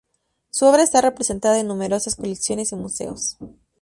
Su obra está representada en numerosas colecciones y museos.